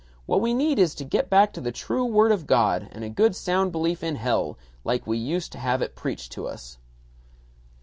What we need is to get back to the true Word of God, and a good sound belief in hell, like we used to have it preached to us."